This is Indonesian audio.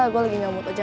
gue lagi ngamut aja